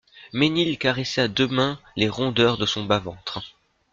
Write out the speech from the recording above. Mesnil caressait à deux mains les rondeurs de son bas-ventre.